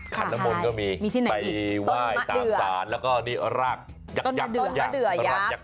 คันนมนต์เค้ามีไปไหว้ตามฟ้านแล้วก็รากยัก